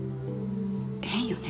変よね？